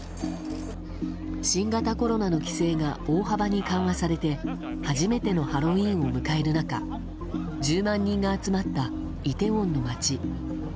新型コロナの規制が大幅に緩和されて初めてのハロウィーンを迎える中１０万人が集まったイテウォンの街。